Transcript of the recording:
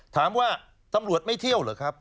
ถามว่าตำรวจไม่เที่ยวเหรอครับ